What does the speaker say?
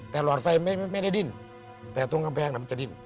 แต่หลอดไฟไม่ได้ดิ้นแต่ตรงกำแพงมันจะดิ้น